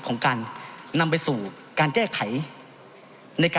ของการนำไปสู่การแก้ไข